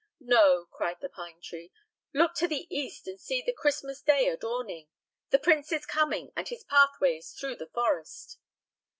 "No," cried the pine tree, "look to the east and see the Christmas day a dawning! The prince is coming, and his pathway is through the forest!"